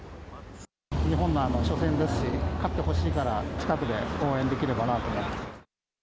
日本の初戦ですし、勝ってほしいから近くで応援できればなと思って。